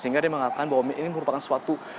sehingga dia mengatakan bahwa ini merupakan suatu